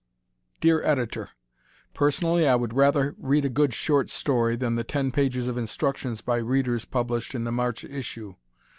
_ Dear Editor: Personally I would rather read a good short story than the ten pages of instructions by Readers published in the March issue.